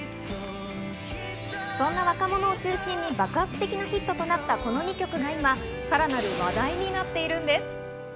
そんな若者を中心に爆発的なヒットとなったこの２曲が今さらなる話題になっているんです。